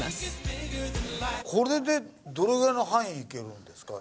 これでどれぐらいの範囲いけるんですか？